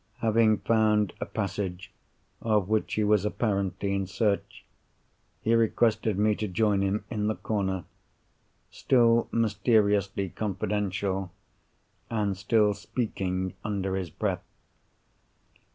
Having found a passage of which he was apparently in search, he requested me to join him in the corner; still mysteriously confidential, and still speaking under his breath.